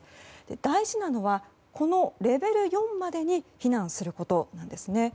大事なのは、このレベル４までに避難することなんです。